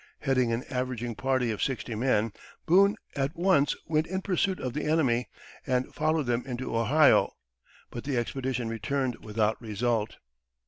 Heading an avenging party of sixty men, Boone at once went in pursuit of the enemy, and followed them into Ohio, but the expedition returned without result.